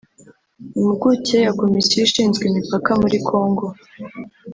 Impuguke ya komisiyo ishinzwe imipaka muri Congo